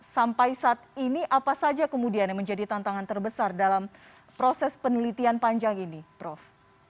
sampai saat ini apa saja kemudian yang menjadi tantangan terbesar dalam proses penelitian panjang ini prof